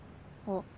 あっ。